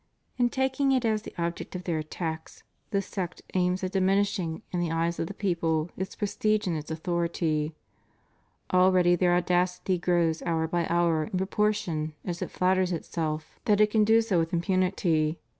In taking it as the object of their attacks this sect aims at diminishing in the eyes of the people its prestige and its authority. Already their audacity grows hour by hour in proportion as it flatters itself that it can do 574 REVIEW OF HIS PONTIFICATE. so with impunity.